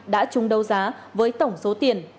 đã trung đấu giá với tổng số tiền